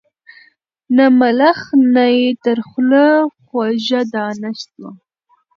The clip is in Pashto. نه ملخ نه یې تر خوله خوږه دانه سوه